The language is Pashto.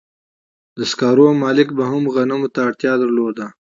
د سکارو مالک به هم غنمو ته اړتیا درلوده